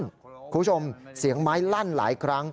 คุณผู้ชมเสียงไม้ลั่นหลายครั้ง